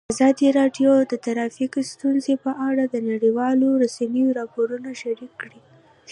ازادي راډیو د ټرافیکي ستونزې په اړه د نړیوالو رسنیو راپورونه شریک کړي.